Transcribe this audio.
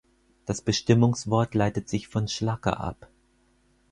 Das Bestimmungswort leitet sich von Schlacke ab.